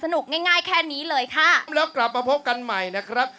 และกลับมาพบกันใหม่นะครับ